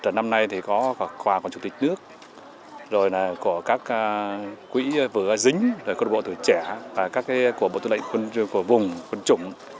trần năm nay thì có quà của chủ tịch nước rồi là của các quỹ vừa dính rồi là quân đội bộ thủy trẻ và các cái của bộ tư lệnh quân vùng quân chủng